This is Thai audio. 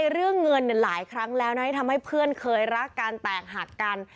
เรื่องเงินหลายครั้งแล้วนะที่ทำให้เพื่อนเคยรักกันแตกหักกัน